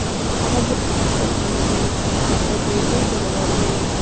هغه بالاخره خپلو انګېزو ته ځواب و وایه.